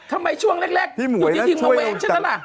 ทำไมช่วงแรกอยู่ในที่โหนมแว้งอย่างนั้น